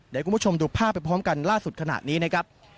เดี๋ยวคุณผู้ชมดูภาพไปพร้อมกันล่าสุดขณะนี้นะครับ